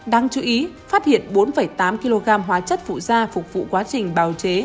đáng chú ý phát hiện bốn tám kg hóa chất phụ da phục vụ quá trình bào chế